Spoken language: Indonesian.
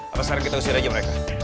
apa sekarang kita usir aja mereka